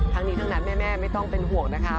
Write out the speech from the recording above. ทั้งนี้ทั้งนั้นแม่ไม่ต้องเป็นห่วงนะคะ